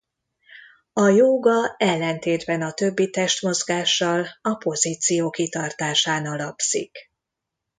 A jóga ellentétben a többi testmozgással a pozíció kitartásán alapszik.